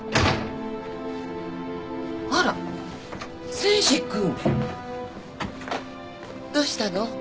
あら誠治君。どうしたの？